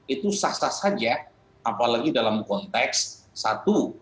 itu sah sah saja apalagi dalam konteks satu